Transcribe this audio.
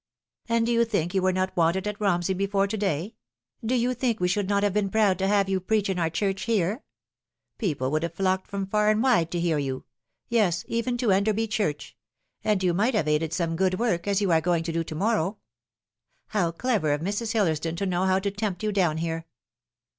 " And do you think you were not wanted at Romsey before to day ? do you think we should not have been proud to have you preach in our church here ? People would have nocked from far and wide to hear you yes, even to Enderby Church and you might have aided some good work, as you are going to do to morrow. How clever of Mrs. Hillersdon to know how to tempt you down here